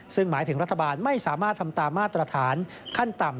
ซึ่งหมายถึงรัฐบาลไม่สามารถทำตามมาตรฐานขั้นต่ำ